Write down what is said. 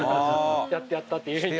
「やってやった」っていうふうに。